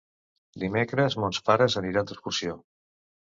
Dimecres mons pares aniran d'excursió.